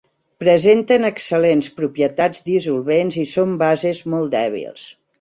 Presenten excel·lents propietats dissolvents i són bases molt dèbils.